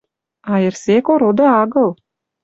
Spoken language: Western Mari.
А Эрсек ороды агыл;